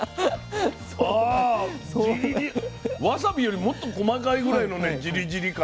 あわさびよりもっと細かいぐらいのねジリジリ感。